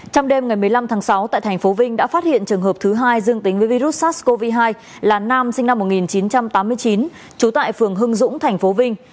trong đêm ngày một mươi năm tháng sáu tại thành phố vinh đã phát hiện trường hợp thứ hai dương tính với virus sars cov hai là nam sinh năm một nghìn chín trăm tám mươi chín trú tại phường hưng dũng tp vinh